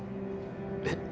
えっ？